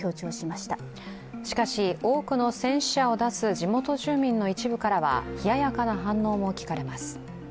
しかし、多くの戦死者を出す地元住民の一部からは冷ややかな反応も聞かれます。